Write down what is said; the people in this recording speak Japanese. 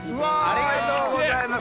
ありがとうございます。